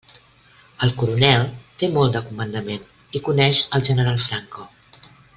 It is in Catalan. El coronel té molt de comandament i coneix el general Franco.